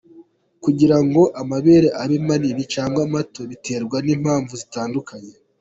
Kugira ngo amabere abe manini cyangwa mato, biterwa n’impamvu zitandukanye.